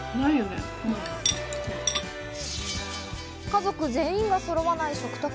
家族全員がそろわない食卓。